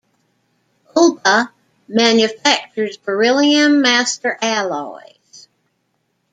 Ulba manufactures beryllium master alloys.